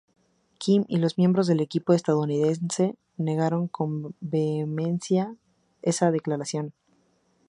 Kim y los miembros del equipo estadounidense negaron con vehemencia esa declaración.